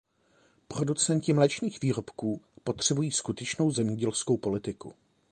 Producenti mléčných výrobků potřebují skutečnou zemědělskou politiku.